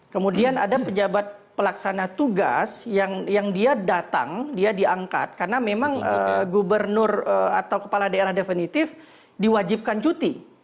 kemudian ada pejabat pelaksana tugas yang dia datang dia diangkat karena memang gubernur atau kepala daerah definitif diwajibkan cuti